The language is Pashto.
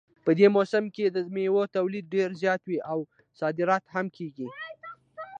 په دې موسم کې د میوو تولید ډېر زیات وي او صادرات هم کیږي